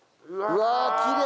うわ！